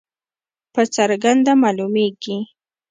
په څرګنده معلومیږي.